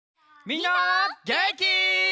みんなげんき？